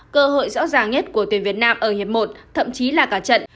cơ hội rõ ràng nhất của tuyển việt nam ở hiệp một thậm chí là cả trận